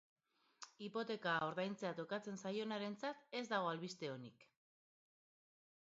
Hipoteka ordaintzea tokatzen zaionarentzat ez dago albiste onik.